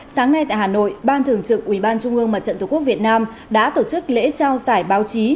sáng nay tại hà nội ban thường trực ủy ban trung ương mặt trận tổ quốc việt nam đã tổ chức lễ trao giải báo chí